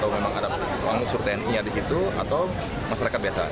memang ada anggota tni yang ada di situ atau masyarakat biasa